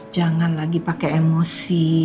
jangan lagi pakai emosi